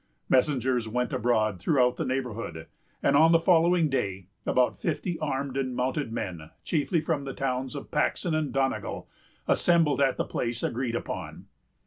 Messengers went abroad through the neighborhood; and, on the following day, about fifty armed and mounted men, chiefly from the towns of Paxton and Donegal, assembled at the place agreed upon.